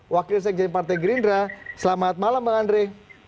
wakil sekjen partai gerindra selamat malam bang andre